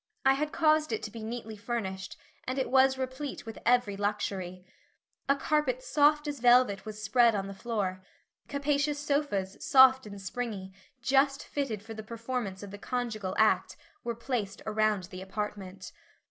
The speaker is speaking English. I had caused it to be neatly furnished, and it was replete with every luxury. A carpet soft as velvet was spread on the floor; capacious sofas, soft and springy, just fitted for the performance of the conjugal act, were placed around the apartment.